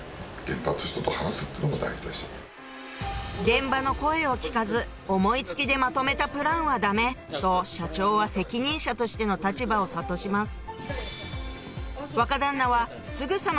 「現場の声を聞かず思い付きでまとめたプランはダメ」と社長は責任者としての立場を諭します